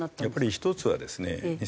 やっぱり１つはですね